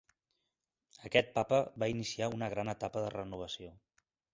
Aquest papa va iniciar una gran etapa de renovació.